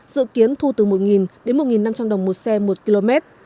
dự kiến thu từ một đến một năm trăm linh đồng một xe một km